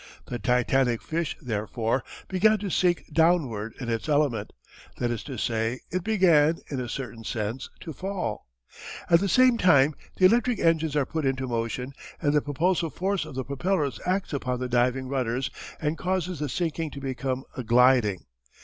The titanic fish, therefore, began to sink downward in its element, that is to say, it began, in a certain sense, to fall. At the same time the electric engines are put into motion and the propulsive force of the propellers acts upon the diving rudders and causes the sinking to become a gliding.